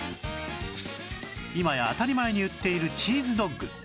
今や当たり前に売っているチーズドッグ